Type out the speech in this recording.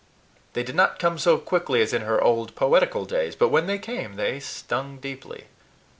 They did not come so quickly as in her old poetical days; but when they came they stung deeply.